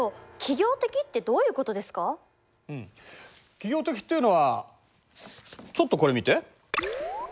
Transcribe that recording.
企業的っていうのはちょっとこれ見て。